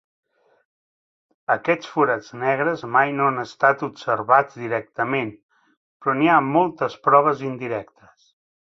Aquests forats negres mai no han estat observats directament, però n'hi ha moltes proves indirectes.